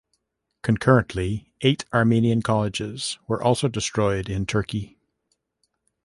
Concurrently, eight Armenian colleges were also destroyed in Turkey.